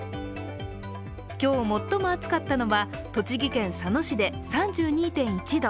今日、最も暑かったのは栃木県佐野市で３２．１度。